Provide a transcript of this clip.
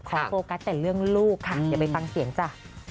ขอโฟกัสแต่เรื่องลูกค่ะอย่าไปฟังเสียงจ้ะ